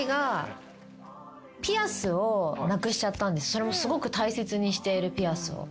それもすごく大切にしているピアスを。